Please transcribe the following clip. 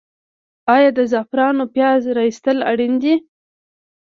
آیا د زعفرانو پیاز را ایستل اړین دي؟